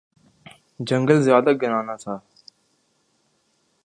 جنگل زیادہ گھنا نہ تھا